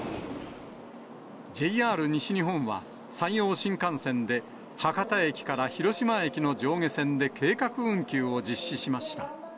ＪＲ西日本は、山陽新幹線で、博多駅から広島駅の上下線で、計画運休を実施しました。